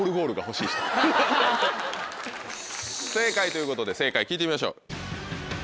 正解ということで正解聴いてみましょう。